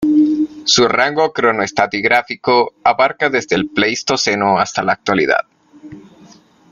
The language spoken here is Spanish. Su rango cronoestratigráfico abarca desde el Pleistoceno hasta la Actualidad.